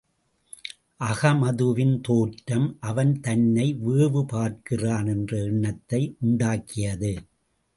அகமதுவின் தோற்றம், அவன் தன்னை வேவுபார்க்கிறான் என்ற எண்ணத்தை உண்டாக்கியது.